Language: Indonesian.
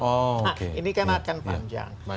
nah ini kan akan panjang